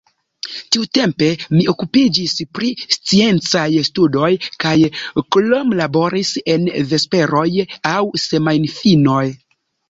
Tiutempe mi okupiĝis pri sciencaj studoj kaj kromlaboris en vesperoj aŭ semajnfinoj.